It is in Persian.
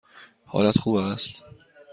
حالت خوب است؟